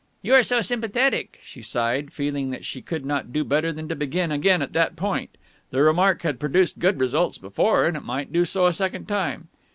"You are so sympathetic," she sighed, feeling that she could not do better than to begin again at that point. The remark had produced good results before and it might do so a second time.